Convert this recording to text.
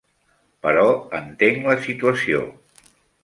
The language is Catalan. Però entenc la situació.